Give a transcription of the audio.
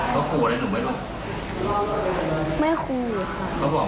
เขาก็บอกว่าบ้านลุงนี้สองอย่าง